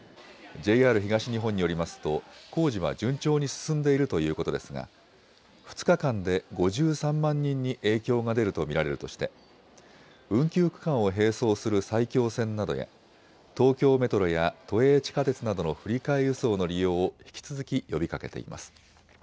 ＪＲ東日本によりますと工事は順調に進んでいるということですが２日間で５３万人に影響が出ると見られるとして運休区間を並走する埼京線などや東京メトロや都営地下鉄などの振り替え輸送の利用を引き続き呼びかけています。